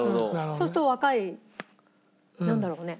そうすると若いなんだろうね？